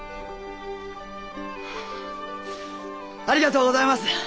ありがとうございます！